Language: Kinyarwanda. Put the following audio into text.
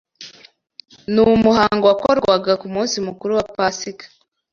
n’umuhango wakorwaga ku munsi mukuru wa Pasika